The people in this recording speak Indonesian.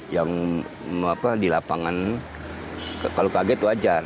yang di lapangan kalau kaget wajar